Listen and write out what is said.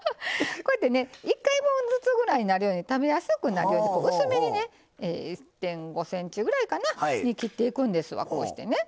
こうやってね１回分ずつぐらいになるように食べやすくなるように薄めにね１．５ｃｍぐらいかなに切っていくんですわこうしてね。